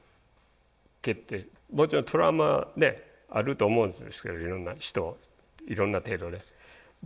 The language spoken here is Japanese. もちろんトラウマあると思うんですけどいろんな人いろんな程度で。